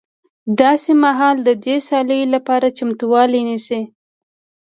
داسې مهال د دې سیالیو لپاره چمتوالی نیسي